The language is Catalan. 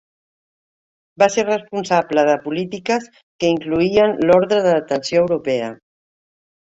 Va ser responsable de polítiques que incloïen l'Ordre de Detenció Europea.